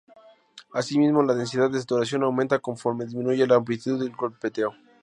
Asimismo, la densidad de saturación aumenta conforme disminuye la amplitud del golpeteo.